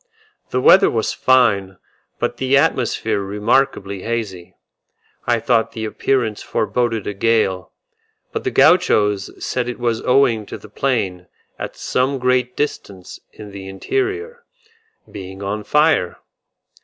The weather was fine, but the atmosphere remarkably hazy; I thought the appearance foreboded a gale, but the Gauchos said it was owing to the plain, at some great distance in the interior, being on fire.